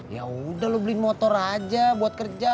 ya udah lo beli motor aja buat kerja